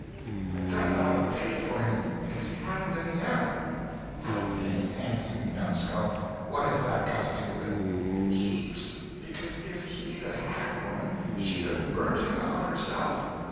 "I done it out of pity for him—because he hadn't any aunt." "Hadn't any aunt!—you numskull. What has that got to do with it?" "Heaps. Because if he'd had one she'd a burnt him out herself!